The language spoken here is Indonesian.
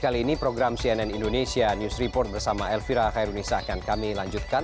kali ini program cnn indonesia news report bersama elvira khairunisa akan kami lanjutkan